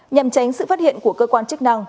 nhằm tránh sự phát hiện của cơ quan chức năng